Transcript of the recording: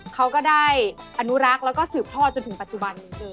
เขาก็ได้อนุรักษ์แล้วก็สืบทอดจนถึงปัจจุบันนี้